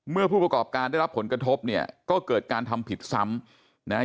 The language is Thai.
ผู้ประกอบการได้รับผลกระทบเนี่ยก็เกิดการทำผิดซ้ำนะฮะ